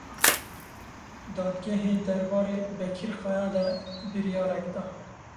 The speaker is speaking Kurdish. Dadgehê derbarê Bekir Kaya de biryarek da.